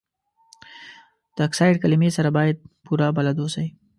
د اکسایډ کلمې سره باید پوره بلد اوسئ.